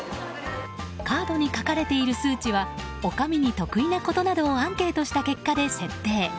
カードに書かれている数値は女将に、得意なことなどをアンケートした結果で設定。